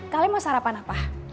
kalian mau sarapan apa